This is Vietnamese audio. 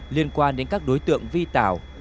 liên quan đến các đối tượng vi tảo